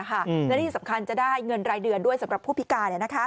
และที่สำคัญจะได้เงินรายเดือนด้วยสำหรับผู้พิการ